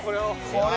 これ。